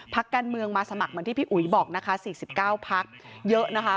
พักการเมืองมาสมัครเหมือนที่พี่อุ๋ยบอกนะคะ๔๙พักเยอะนะคะ